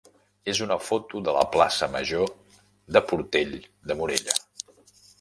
és una foto de la plaça major de Portell de Morella.